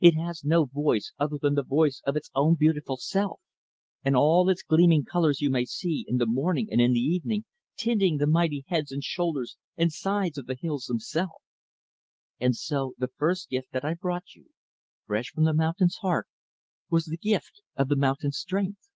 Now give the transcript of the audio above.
It has no voice other than the voice of its own beautiful self. And all its gleaming colors you may see, in the morning and in the evening, tinting the mighty heads and shoulders and sides of the hills themselves. And so, the first gift that I brought you fresh from the mountain's heart was the gift of the mountain's strength.